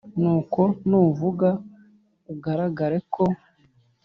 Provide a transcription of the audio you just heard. Nuko nuvuga ugaragare ko